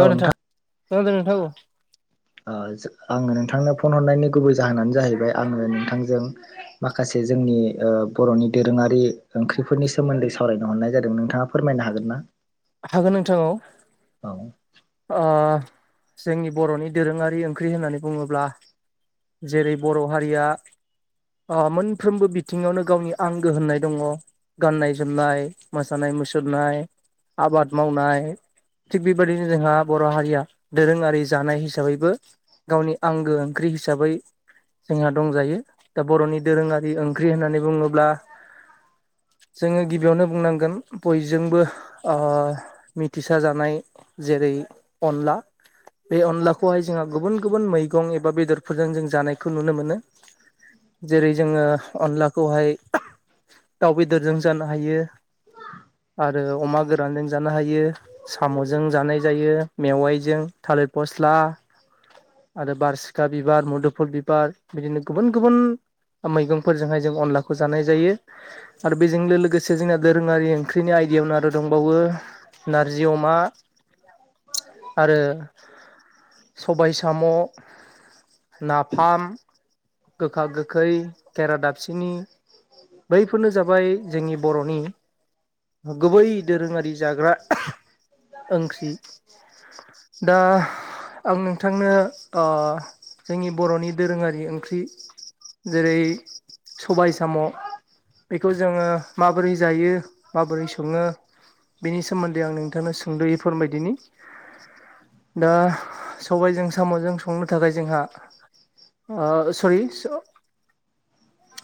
औ नोंथां ओ दे नोंथां औ। आङो नोंथांनो फन हरनायनि गुबै जाहोनानो जाहैबाय आङो नोंथांजों माखासे जोंनि बर'नि दोरोङारि ओंख्रिफोरनि सोमोन्दै सावरायनो हरनाय जादों नोंथाङा फोरमायनो हागोन ना? हागोन नोंथां औ। औ ओ जोंनि बर'नि दोरोंङारि ओंख्रि होननानै बुंङोब्ला जेरै बर' हारिया ओ मोनफ्रोमबो बिथिंङावनो गावनि आंगो होननाय दंङ। गाननाय जोमनाय मोसानाय मुसुरनाय आबाद मावनाय थिग बेबायदिनो जोंहा बर' हारिया दोरोंङारि जानाय हिसाबैबो गावनि आंगो ओंख्रि हिसाबै जोंहा दंजायो दा बर'नि दोरोंङारि ओंख्रि होननानै बुंङोब्ला जोंङो गिबियावनो बुंनांगोन बयजोंबो आ मिथिसा जानाय जेरै अनला बे अनलाखौहाय जोंहा गुबुन गुबुन मैगं एबा बेदरफोरजों जों जानायखौ नुनो मोनो। जेरै जोंङो अनलाखौहाय दाउ बेदरजों जानो हायो। आरो अमा गोरानजों जानो हायो। साम' जों जानाय जायो मेवाइजों थालिर फस्ला आरो बारसिखा बिबार मुदुफुल बिबार बिदिनो गुबुन गुबुन मैगंफोरजोंहाय जों अनलाखौ जानाय जायो। आरो बेजोंनो लोगोसे जोंना दोरोंङारि ओंख्रिनि आयदायावनो आरो दंबावो। नारजि अमा आरो सबाय साम' नाफाम गोखा गोखै केरा दाबसिनि। बैफोरनो जाबाय जोंनि बर'नि गुबै दोरोंङारि जाग्रा ओंख्रि दा आं नोंथांनो ओ जोंनि बर'नि दोरोंङारि ओंख्रि जेरै सबाय साम' बेखौ जोंङो माबोरै जायो माबोरै संङो बिनि सोमोन्दै आं नोंथांनो सुंद'यै फोरमायदिनि दा सबायजों साम'जों संनो थाखाय जोंहा आ सरि स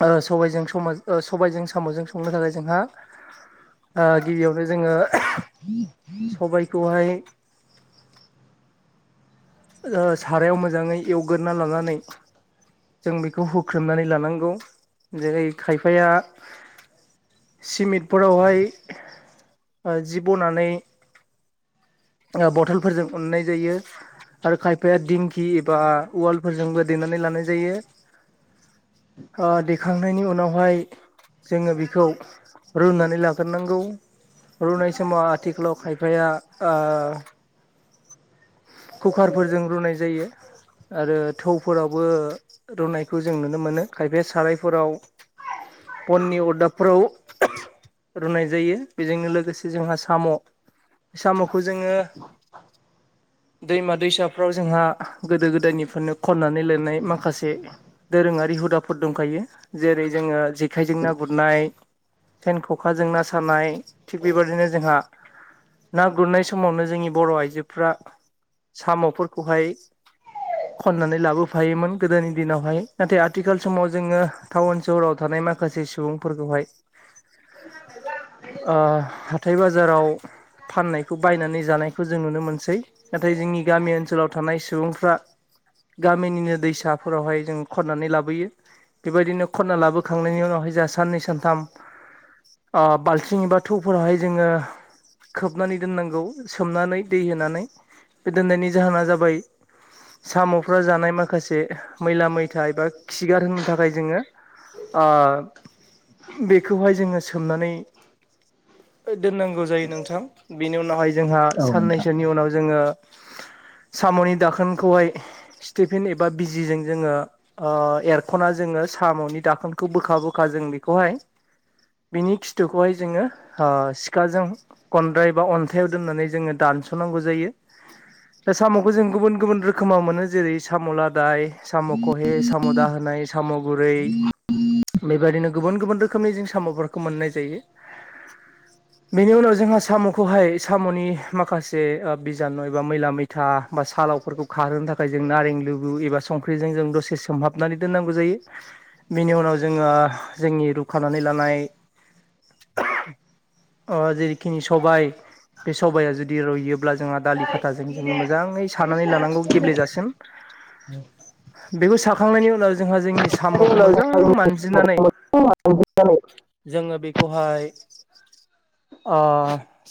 ओ सबायजों समाजो ओ सबायजों साम'जों संनो थाखाय जोंहा आ गिबियावनो जोंङो बि [unintelligible] सबायखौहाय ओ सारायाव मोजांङै एवगोरना लानानै जों बेखौ हुख्रोमनानै लानांगौ जेरै खायफाया सिमिटफोरावहाय ओ जि बनानै ओ बथलफोरजों उननाय जायो। आरो खायफाया दिंखि एबा उवालफोरजोंबो देनानै लानाय जायो। ओ दैखांनायनि उनावहाय जोंङो बेखौ रुनानै लागोरनांगौ। रुनाय समाव आथिखालाव खायफाया ओ कुकारफोरजों रुनाय जायो। आरो थौफोरावबो रुनायखौ जों नुनो मोनो खायफा सारायफोराव बननि अदाबफ्राव रुनाय जायो बेजोंनो लोगोसे जोंहा साम' साम'खौ जोंङो दैमा दैसाफ्राव जोंहा गोदो गोदायनिफ्रायनो खननानै लायनाय माखासे दोरोंङारि हुदाफोर दंखायो जेरै जोंङो जेखाइजों ना गुरनाय सेन ख'खा जों ना सानाय थिग बेबायदिनो जोंहा ना गुरनाय समावनो जोंनि बर' आइजोफ्रा साम'फोरखौहाय [unintelligible] खननानै लाबोफायोमोन गोदोनि दिनावहाय नाथाय आथिखाल समाव जोंङो टाउन सहराव थानाय माखासे सुबुं फोरखौहाय ओ हाथाय बाजार बाजाराव फाननायखौ बायनानै जानायखौ जों नुनो मोनसै। नाथाय जोंनि गामि ओनसोलाव थानाय सुबुंफ्रा गामिनिनो दैसाफोरावहाय जों खननानै लाबोयो। बेबायदिनो खनना लाबोखांनायनि उनावहाय जोंहा साननै सानथाम, ओ बाल्थिं एबा थौफोरावहाय जोंङो खोबनानै दोननांगौ सोमनानै दै होनानै बे दोननायनि जाहोना जाबाय साम'फ्रा जानाय माखासे मैला मैथा एबा खिगार होनो थाखाय जोंङो ओ बेखौहाय जोंङो सोमनानै दोननांगौ। नांगौ जायो नोंथां बेनि उनावहाय जोंहा औ नोंथां साननैसोनि उनाव जोंङो साम'नि दाखोनखौहाय स्टिफेन एबा बिजिजों जोंङो ओ एरख'ना जोंङो साम'नि दाखोनखौ बोखा बोखा जों बेखौहाय बिनि खिथुखौहाय जोंङो सिखाजों खनद्राय बा अन्थाइाव दोननानै जोंङो दानस'नांगौ जायो। दा साम'खौ जों गुबुन गुबुन रोखोमाव मोनो जेरै साम' लादाय साम' कहेस। साम' दा होनाय साम' गुरै बेबायदिनो गुबुन गुबुन रोखोमनि जों साम'फोरखौ मोननाय जायो। बेनि उनाव जोंहा साम'खौहाय साम'नि माखासे बिजानु एबा मैला मैथा बा सालावफोरखौ खारहोनो थाखाय जों नारें लुबु एबा संख्रि जजों जों दसे सोमहाब हाबनानै दोननांगौ जायो। बिनि उनाव जोंङो जोंनि रुखानानै लानाय अ जेरखिनि सबाय बे सबाया जुदि रुयो अब्ला जोंहा दालि खाथाजों जोंङो मोजांङै सानानै लानांगौ गेब्लेेजासिम। बेखौ साखांनायनि उनाव जोंहा जोंनि साम'खौ मोजां मानजिनानै जोंङो बेखौहाय ओ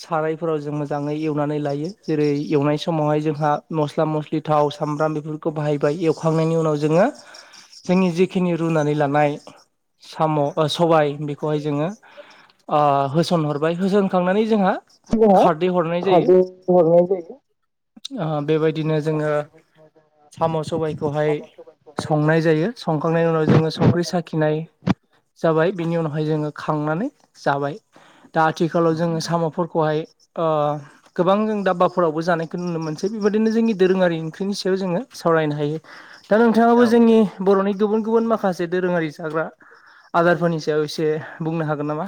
सारायफोराव जों मोजांङै एवनानै लायो। जेरै एवनाय समावहाय जोंहा मस्ला मस्लि थाव सामब्राम बेफोरखौ बाहायबाय एव खुखांनायनि उनाव जोंङो जोंनि जिखिनि रुनानै लानाय साम' सबाय बेखौहाय जोंङो ओ होसनहरबाय होसनखांनानै जोंहा खारदै हरनाय जायो खारै होहरनाय जायो। ओ बेबायदिनो जोंङो साम' सबायखौहाय संनाय जायो संखांनायनि उनाव जोंङो संख्रि साखिनाय जाबाय बिनि उनावहाय जोंङो खांनानै जाबाय। दा आथिखालाव औ जोंङो नोंथां साम'फोरखौहाय ओ गोबां जों दाबबाफोरावबो जानायखौ नुनो मोनसै बेबायदिनो जोंनि दोरोंङारि ओंख्रिनि सायाव जोंङो सावरायनो हायो। दा नोंथांङाबो औ जोंनि बर'नि गुबुन गुबुन माखासे दोरोङारि जाग्रा आदारफोरनि सायाव एसे बुंनो हागोन नामा?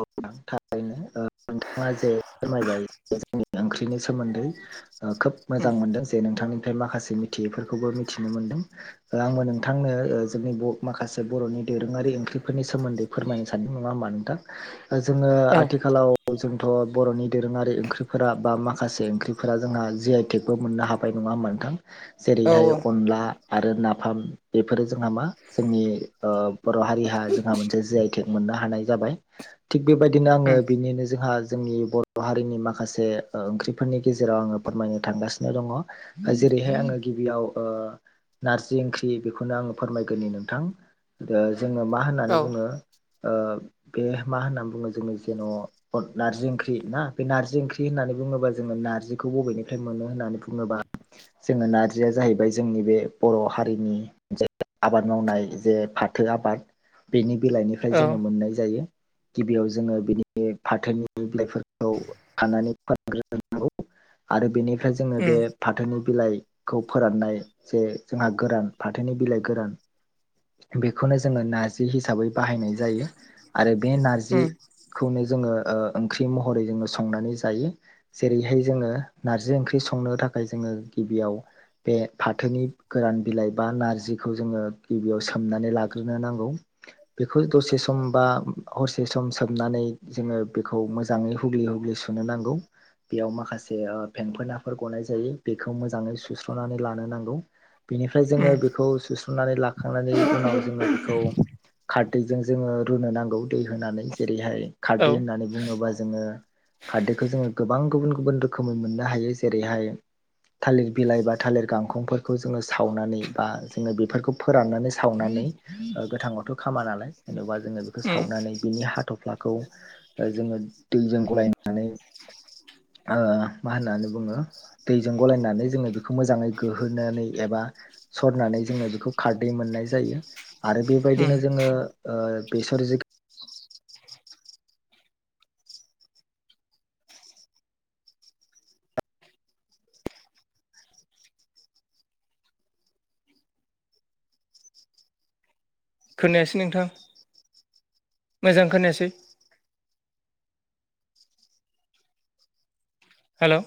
औ थारैनो नोंथाङा जे फोरमायबाय जोंनि ओंख्रि नि सोमोन्दै खोब मोजां मोनदों जे नोंथांनिफ्राय माखासे मिथियैफोरखौबो मिथिनो मोनदों‌। आंबो नोंथांनो जोंनि माखासे बर'नि दोरोङारि ओंख्रिफोरनि सोमोन्दै फोरमायनो सानदों नङा होमबा नोंथां जोङो औ आथिखालाव जोंथ' बर'नि दोरोङारि ओंख्रिफोरा बा माखासे ओंख्रिफोरा जोंहा जि आइ टेकबो मोननो हा बाय नङा होमबा नोंथां औ जेरैहाय अनला आरो नाफाम बेफोरो जोंहा मा जोंनि बर' हारिहा जोंहा मोनसे जि आइ टेक मोननो हानाय जाबाय थिग बेबायदिनो आङो बिनिनो जोंहा जोंनि बर' हारिनि माखासे ओंख्रिफोरनि गेजेराव आङो फोरमायनो थांगासिनो दङ जेरैहाय आङो गिबियाव ओ नारजि ओंख्रि बेखौनो आङो फोरमायग्रोनि नोंथां जोङो मा होननानै औ बुङो बे मा होननानै बुङो जोङो जेन' नारजि ओंख्रि ना बे नार्जि ओंख्रि होननानै बुङोबा जोङो नार्जिखौ बबेनिफ्राय मोनो होननानै बुङोबा जोङो नारजिया जाहैबाय जोंनि बे बर' हारिनि आबाद मावनाय जे फाथो आबाद बेनि बिलाइनिफ्राय जोङो औ मोननाय जायो गिबियाव जोङो बिनि फाथोनि बिलाइफोरखौ खानानै फोरानग्रोनांगौ आरो बेनिफ्राय जोङो बे फाथोनि बिलाइखौ फोराननाय जे जोंहा गोरान फाथोनि बिलाइ गोरान बेखौनो जोङो नारजि हिसाबै बाहायनाय जायो आरो बे नारजि खौनो जोङो ओंख्रि महरै जोङो संनानै जायो। जेरैहाय जोङो नारजि ओंख्रि संनो थाखाय जोङो गिबियाव बे फाथोनि गोरान बिलाइ बा नारजिखौ जोङो गिबियाव सोमनानै लाग्रोनो नांगौ बेखौ दसे समबा हरसे सम सोमनानै जोङो बेखौ मोजाङै हुग्लि हुग्लि सुनो नांगौ बेयाव माखासे फेंफोनाफोर गनाय जायो बेखौ मोजाङै सुस्र'नानै लानो नांगौ बेनिफ्राय जोङो बेखौ सुस्रनानै लाखांनायनि उनाव जोङो बेखौ खारदैजों जोङो रुनो नांगौ दै होनानै जेरैहाय औ खारदै होननानै बुङोब्ला जोङो खारदैखौ जोङो गोबां गुबुन गुबुन रोखोमै मोननो हायो जेरैहाय थालिर बिलाइ बा थालिर गांखंफोरखौ जोङो सावनानै बा जोङो बेफोरखौ फोराननानै सावनानै गोथाङावथ' खामा नालाय जेन'बा जोङो बेखौ उम सावनानै बिनि हाथ'फ्लाखौ जोङो दैजों गलायनानै मा होननानै बुङो दैजों गलायनानै जोङो बेखौ मोजाङै गोहोनानै एबा सरनानै जोङो बेखौ खारदै मोननाय जायो आरो उम बेबायदिनो जोङो बेस खोनायासै नोंथां मोजां खोनायासै। हेल'